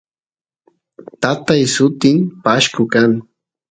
tatay sutin pashku kan